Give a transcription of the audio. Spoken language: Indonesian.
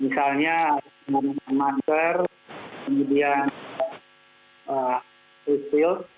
misalnya memastikan kemudian kecil